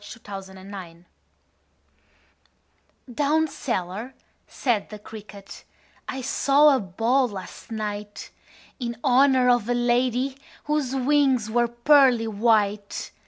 The Potato's Dance "Down cellar," said the cricket, "I saw a ball last night In honor of a lady Whose wings were pearly white.